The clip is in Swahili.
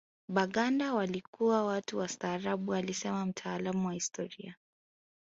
Baganda walikuwa watu wastaarabu alisema mtaalamu wa historia